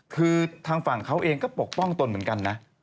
คือทางฝั่งเขาเองก็ปกป้องตนเหมือนกันนะ